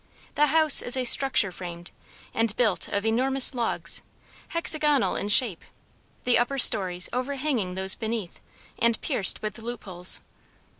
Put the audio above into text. The house is a structure framed, and built of enormous logs, hexagonal in shape, the upper stories over hanging those beneath, and pierced with loopholes.